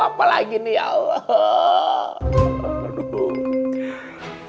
apa lagi nih ya allah